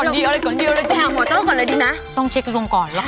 ดูอยากดูเตอร์พอเริ่มเยอะต้องเช็คด้วยก่อนแล้ว